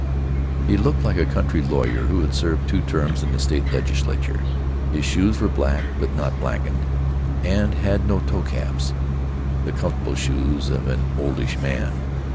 He looked like a country lawyer who had served two terms in the state legislature. His shoes were black, but not blackened, and had no toe caps—the comfortable shoes of an oldish man.